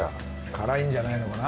辛いんじゃないのかな。